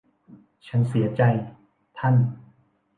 ฉันเสียใจ ท่าน